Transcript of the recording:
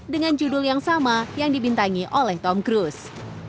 dengan judul yang sama yang dibintangi oleh tom cruise